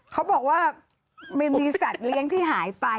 เขาบอกว่าไม่มีสัตว์เลี้ยงที่หายไป